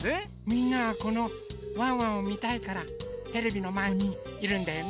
みんなはこのワンワンをみたいからテレビのまえにいるんだよね？